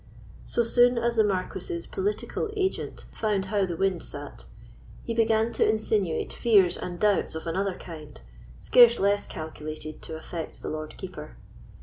So soon as the Marquis's political agent found how the wind sate, he began to insinuate fears and doubts of another kind, scarce less calculated to affect the Lord Keeper.